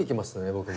僕も。